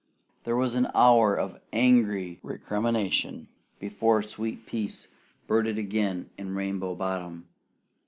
There was an hour of angry recrimination before sweet peace brooded again in Rainbow Bottom.